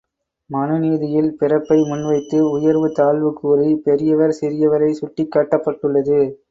மனுநீதியில் பிறப்பை முன்வைத்து உயர்வு தாழ்வு கூறி, பெரியவர் சிறியவரைச் சுட்டிக்காட்டப்பட்டுள்ளது.